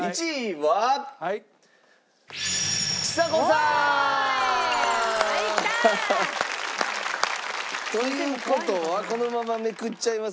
はいきた！という事はこのままめくっちゃいます。